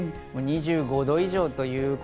２５度以上。